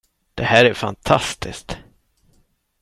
Det här är fantastiskt!